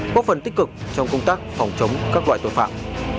góp phần tích cực trong công tác phòng chống các loại tội phạm